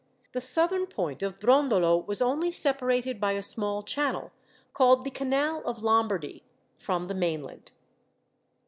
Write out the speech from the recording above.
The southern point of Brondolo was only separated by a small channel called the Canal of Lombardy from the mainland.